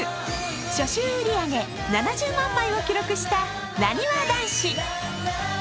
初週売り上げ７０万枚を記録したなにわ男子。